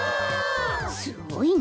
すごいね。